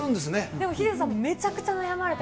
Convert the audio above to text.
でも、ヒデさん、めちゃくち悩んだ。